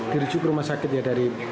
dirujuk ke rumah sakit ya dari